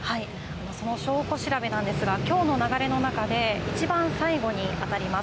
その証拠調べですがきょうの流れの中でいちばん最後になります。